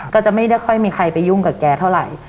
ก็จะไม่ได้ค่อยมีใครไปยุ่งกับแกเท่าไหร่